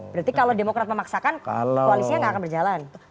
berarti kalau demokrat memaksakan koalisinya nggak akan berjalan